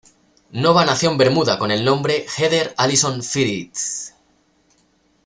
Nova nació en Bermuda con el nombre Heather Alison Frith.